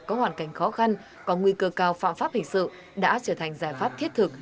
có hoàn cảnh khó khăn có nguy cơ cao phạm pháp hình sự đã trở thành giải pháp thiết thực